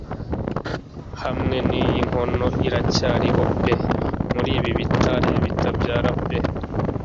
Hamwe n'iyi nkono iracyariho pe muribi bitare bitabyara pe